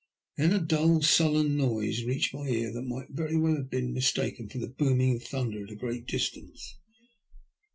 Then a dull, sullen noise reached my ears that might very well have been mis taken for the booming of thunder at a great distance.